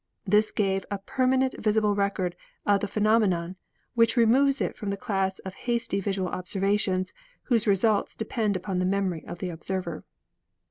This gave a permanent vis ible record of the phenomenon which removes it from the class of hasty visual observations, whose results depend upon the memory of the observer.